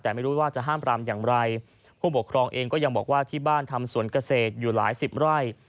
แต่ไม่รู้ว่าจะห้ามปรามอย่างไรผู้ปกครองเองก็ยังบอกว่าที่บ้านทำสวนเกษตรอยู่หลายสิบไร่